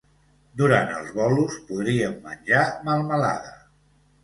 Durant els bolos podríem menjar melmelada.